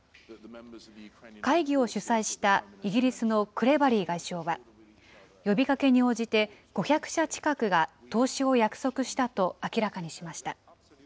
会議を主催したイギリスのクレバリー外相は、呼びかけに応じて、５００社近くが投資を約束したと明らかにしました。